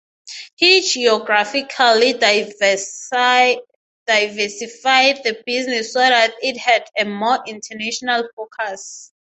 He geographically diversified the business so that it had a more international focus.